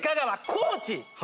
高知。